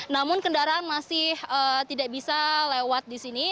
namun kendaraan masih tidak bisa lewat di sini